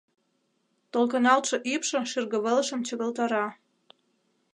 Толкыналтше ӱпшӧ шӱргывылышым чыгылтара.